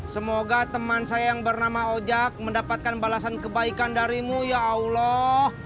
semoga teman saya yang bernama ojak mendapatkan balasan kebaikan darimu ya allah